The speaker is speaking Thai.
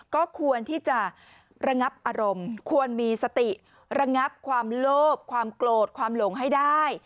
ก็ควรที่จะระงับอารมณ์ควรมีสติระงับความโลภความโกรธความหลงให้ได้